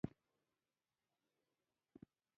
د نورو کاکه ګانو مخې ته به تیریدی.